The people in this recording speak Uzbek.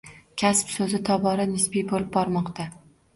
Kasb so'zi tobora nisbiy bo'lib bormoqda